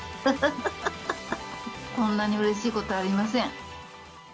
こんなうれしいことはありません。